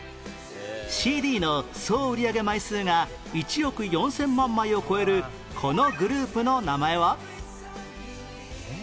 ＣＤ の総売り上げ枚数が１億４０００万枚を超えるこのグループの名前は？えっ？